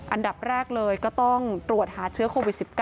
อันดับแรกเลยก็ต้องตรวจหาเชื้อโควิด๑๙